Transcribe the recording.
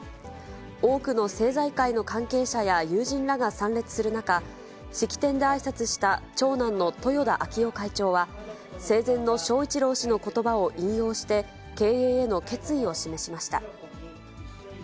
多くの政財界の関係者や友人らが参列する中、式典であいさつした長男の豊田章男会長は、生前の章一郎氏のことばを引用して、経営への決意を示しました。